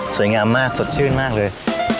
สวยงามมากสดชื่นมากเลย